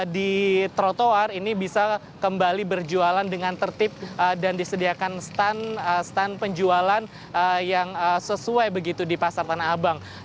di trotoar ini bisa kembali berjualan dengan tertib dan disediakan stand penjualan yang sesuai begitu di pasar tanah abang